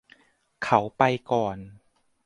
เขาไปก่อน